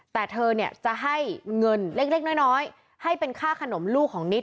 แต่เธอเนี่ยจะให้เงินเล็กน้อยให้เป็นค่าขนมลูกของนิด